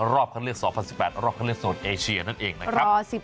รอบคำเรียก๒๐๑๘รอบคำเรียกโสดเอเชียนั่นเองนะครับ